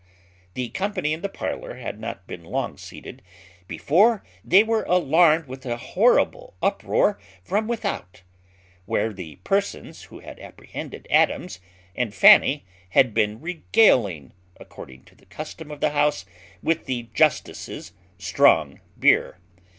The company in the parlour had not been long seated before they were alarmed with a horrible uproar from without, where the persons who had apprehended Adams and Fanny had been regaling, according to the custom of the house, with the justice's strong beer.